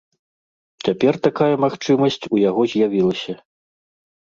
Цяпер такая магчымасць у яго з'явілася.